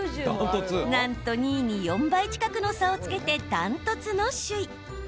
なんと２位に４倍近くの差をつけて断トツの首位。